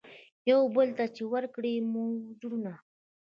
یوه بل ته چي ورکړي مو وه زړونه